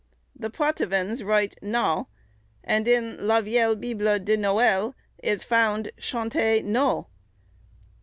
The Poitevins write nau; and in la vielle Bible des noëls, is found "chanter no."